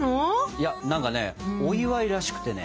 いや何かねお祝いらしくてね。